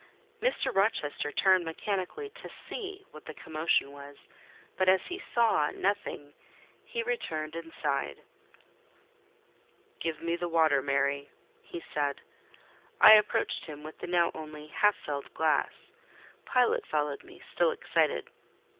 Mr. Rochester turned mechanically to see what the commotion was: but as he saw nothing, he returned and sighed. "Give me the water, Mary," he said. I approached him with the now only half filled glass; Pilot followed me, still excited.